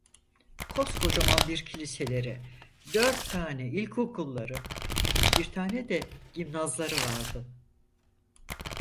Koskocaman bir kiliseleri, dört tane ilkokulları, bir tane de gimnazları vardı.